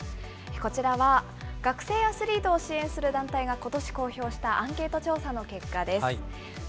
こちらは学生アスリートを支援する団体がことし公表したアンケート調査の結果です。